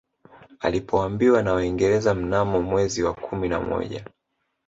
Alipoambiwa na Waingereza mnamo mwezi wa kumi na moja